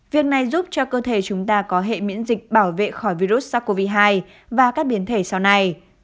việc này giúp cho cơ thể chúng ta có hệ miễn dịch bảo vệ khỏi virus sars cov hai và các biến thể sau này